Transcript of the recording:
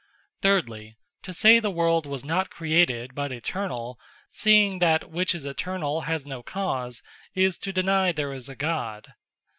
Thirdly, to say the World was not Created, but Eternall, (seeing that which is Eternall has no cause,) is to deny there is a God.